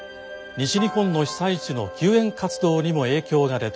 西日本の被災地の救援活動にも影響が出ています。